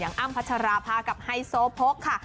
อย่างอ้ำพัชราพากับไฮโซโภคค่ะ